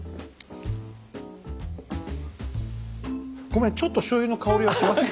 ごめんちょっとしょうゆの香りはします。